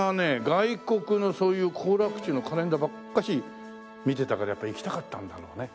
外国のそういう行楽地のカレンダーばっかし見てたからやっぱり行きたかったんだろうね。